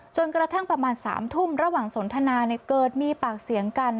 กระทั่งประมาณ๓ทุ่มระหว่างสนทนาเกิดมีปากเสียงกัน